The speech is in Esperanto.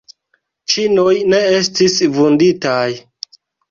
Ĉinoj ne estis vunditaj.